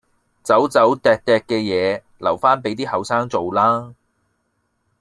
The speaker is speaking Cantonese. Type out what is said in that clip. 走走糴糴嘅嘢留返俾啲後生做啦